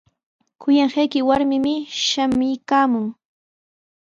Kuyanqayki warmimi shamuykaamun.